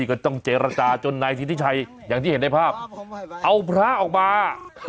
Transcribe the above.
ก็ต้องเจรจาจนนายสิทธิชัยอย่างที่เห็นในภาพเอาพระออกมา